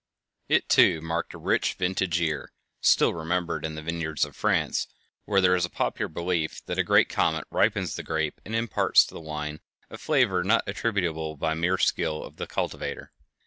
It too marked a rich vintage year, still remembered in the vineyards of France, where there is a popular belief that a great comet ripens the grape and imparts to the wine a flavor not attainable by the mere skill of the cultivator.